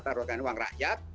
taruhkan uang rakyat